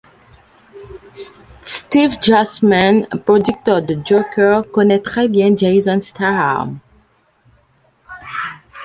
Steve Chasman, producteur de Joker, connait très bien Jason Statham.